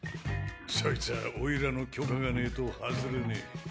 そいつぁおいらの許可がねぇと外れねぇ。